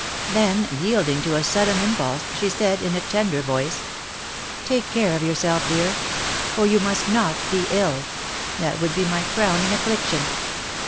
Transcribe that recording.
Then, yielding to a sudden impulse, she said, in a tender voice : Take care of yourself, dear ; for you must not be ill — that would be my crowning affliction."